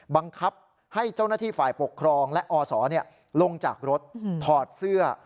บังคับให้เจ้าหน้าที่ฝ่ายปกครองและอศลงจากรถถอดเสื้อ